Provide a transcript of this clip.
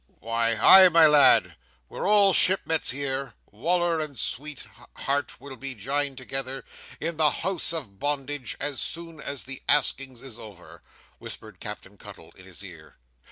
"Why, ay, my lad. We're all shipmets here,—Wal"r and sweet—heart will be jined together in the house of bondage, as soon as the askings is over," whispered Captain Cuttle, in his ear.